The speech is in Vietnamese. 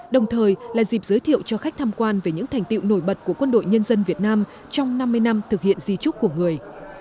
đồng thời là dịp giới thiệu cho khách tham quan về những thành tiệu nổi bật của quân đội nhân dân việt nam trong năm mươi năm thực hiện di trúc của người